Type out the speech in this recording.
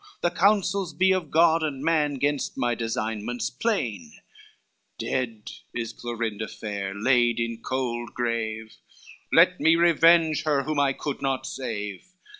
the counsels be Of God and man gainst my designments plain, Dead is Clorinda fair, laid in cold grave, Let me revenge her whom I could not save.